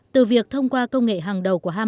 từ việc thông qua công nghệ hàng đầu của hama